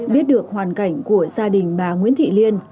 biết được hoàn cảnh của gia đình bà nguyễn thị liên